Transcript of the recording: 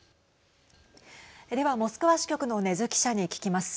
では、モスクワ支局の禰津記者に聞きます。